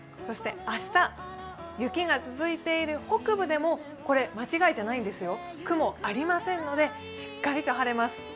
そして明日、雪が続いている北部でも間違いじゃないんですよ、雲ありませんのでしっかりと晴れます。